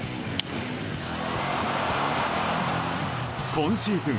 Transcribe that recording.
今シーズン